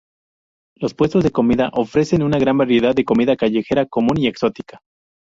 Los puestos de comida ofrecen una gran variedad de comida callejera común y exótica.